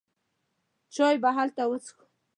چای به هلته وڅېښو.